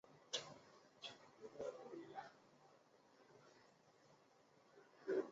阿姆倍伽尔出生在今印度中央邦姆霍沃。